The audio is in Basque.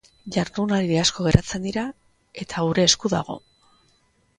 Jardunaldi asko geratzen dira, eta gure esku dago.